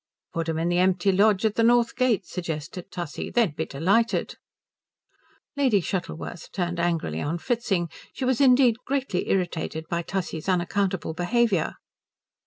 "Put 'em in the empty lodge at the north gate," suggested Tussie. "They'd be delighted." Lady Shuttleworth turned angrily on Fritzing she was indeed greatly irritated by Tussie's unaccountable behaviour.